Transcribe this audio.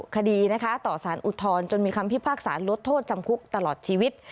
คดีนะคะต่อสารอุทธรณ์จนมีคำพิพากษาลดโทษจำคุกตลอดชีวิต